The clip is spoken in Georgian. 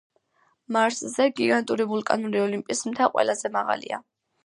მარსზე გიგანტური ვულკანური ოლიმპის მთა ყველაზე მაღალია.